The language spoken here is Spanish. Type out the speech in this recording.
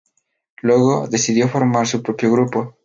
Luego decidió formar su propio grupo.